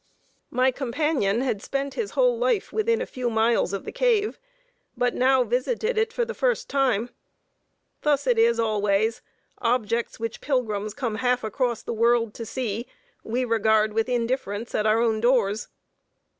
My companion had spent his whole life within a few miles of the cave, but now visited it for the first time. Thus it is always; objects which pilgrims come half across the world to see, we regard with indifference at our own doors.